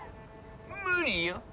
無理よ。